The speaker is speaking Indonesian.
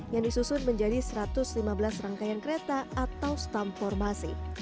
yang disusun menjadi satu ratus lima belas rangkaian kereta atau stamformasi